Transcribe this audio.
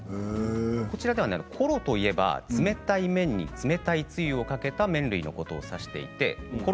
こちらでは、ころといえば冷たい麺に冷たいつゆをかけた麺類のことを差していてころ